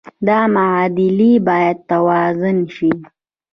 دا معادلې باید توازن شي.